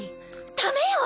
ダメよ！